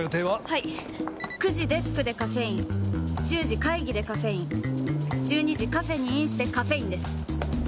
はい９時デスクでカフェイン１０時会議でカフェイン１２時カフェにインしてカフェインです！